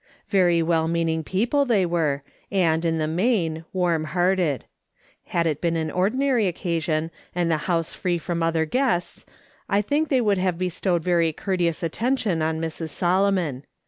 Very well meaning people they were, and, in the main, warm hearted. Had it been an ordinary occasion, and the house free from other guests, I think they would have bestowed every courteous attention on Mrs. Solomon.